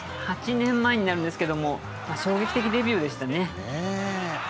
８年前になるんですけれども、衝撃的デビューでしたね。